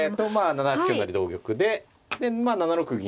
７八香成同玉でで７六銀。